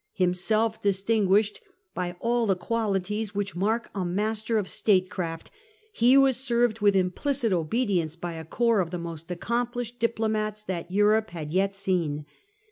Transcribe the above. Himself distinguished by of France, all the qualities which mark a master of state craft, he was served with implicit obedience by a corps of the most accomplished diplomats that Europe had yet seen.